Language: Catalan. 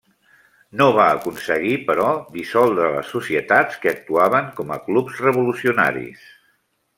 No va aconseguir però dissoldre les societats que actuaven com a clubs revolucionaris.